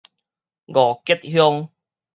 五結鄉